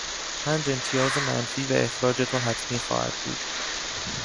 پنج امتیاز منفی و اخراج تو حتمی خواهد بود!